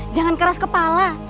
jangan keras kepala